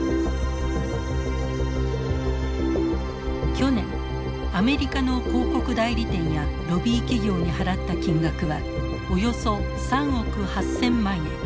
去年アメリカの広告代理店やロビー企業に払った金額はおよそ３億８，０００万円。